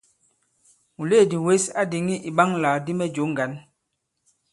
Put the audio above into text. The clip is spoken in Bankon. Mùleèdì wěs a dìŋì ìɓaŋalàkdi mɛ jǒ ŋgǎn.